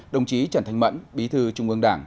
đồng chí trần thanh mẫn bí thư trung ương đảng